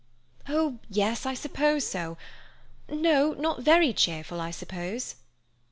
"Oh, yes I suppose so—no—not very cheerful, I suppose."